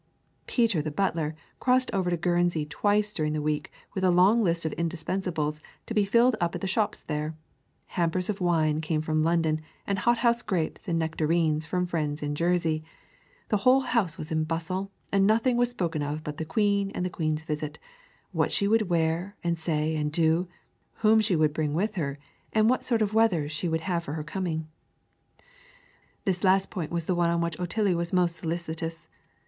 Peter the butler crossed over to Guernsey twice during the week with a long list of indispensables to be filled up at the shops there, hampers of wine came from London, and hot house grapes and nectarines from friends in Jersey; the whole house was in a bustle, and nothing was spoken of but the Queen and the Queen's visit, what she would wear and say and do, whom she would bring with her, and what sort of weather she would have for her coming. This last point was the one on which Otillie was most solicitous.